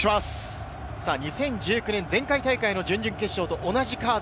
２０１９年、前回大会の準々決勝と同じカード。